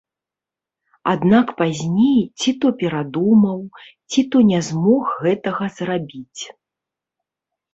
Аднак пазней ці то перадумаў, ці то не змог гэтага зрабіць.